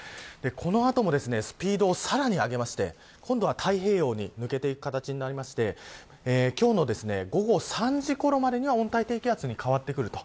この後もスピードをさらに上げまして今度は太平洋に抜けていく形になりまして今日の午後３時ごろまでには温帯低気圧に変わってくると。